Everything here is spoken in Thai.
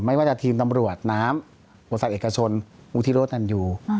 ไม่ว่าจะทีมตำรวจน้ำบริษัทเอกชนวุฒิโรธอันยู